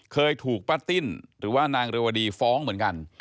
เคยถูกป้าติ้นหรือว่านางเรวดีฟ้องเหมือนกัน